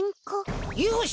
よし！